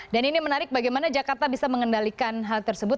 dan ini menarik bagaimana jakarta bisa mengendalikan hal tersebut